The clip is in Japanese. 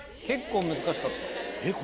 結構難しかった。